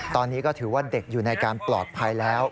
ตอนนี้ก็ถือว่าเด็กอยู่ในการปลอดภัยแล้ว